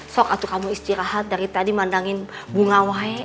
sok kamu istirahat dari tadi mandangin bunga wae